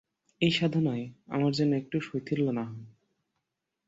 এই সাধনায় আমার যেন একটুও শৈথিল্য না হয়।